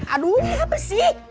aduh apa sih